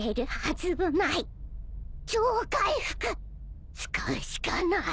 超回復使うしかない！